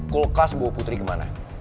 kulkas bawa putri kemana